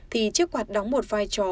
thì chiếc quạt đóng một vai trò